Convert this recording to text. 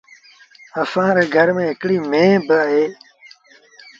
اسآݩ ري گھر ميݩ هڪڙيٚ ميݩهن با اهي۔